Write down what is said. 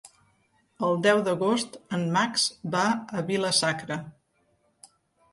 El deu d'agost en Max va a Vila-sacra.